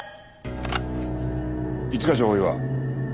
一課長大岩。